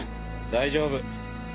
大丈夫。